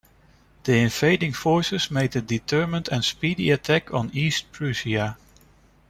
The invading forces made a determined and speedy attack on East Prussia.